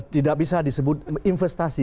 tidak bisa disebut investasi